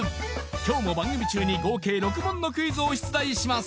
今日も番組中に合計６問のクイズを出題します